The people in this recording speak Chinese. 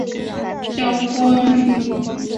爵波恩君。